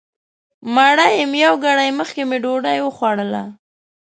مړه یم یو ګړی مخکې مې ډوډۍ وخوړله